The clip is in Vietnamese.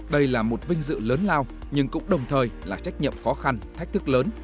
đây là một vinh dự lớn lao nhưng cũng đồng thời là trách nhiệm khó khăn thách thức lớn